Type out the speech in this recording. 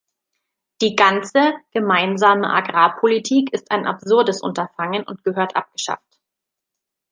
Die ganze gemeinsame Agrarpolitik ist ein absurdes Unterfangen und gehört abgeschafft.